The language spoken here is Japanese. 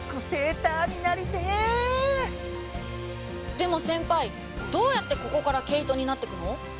でも先輩どうやってここから毛糸になってくの？